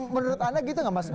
menurut anda gitu nggak mas